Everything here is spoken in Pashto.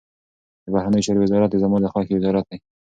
د بهرنیو چارو وزارت زما د خوښي وزارت دی.